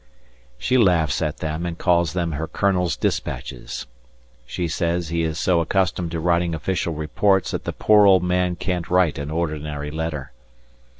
She laughs at them and calls them her Colonel's dispatches; she says he is so accustomed to writing official reports that the poor old man can't write an ordinary letter.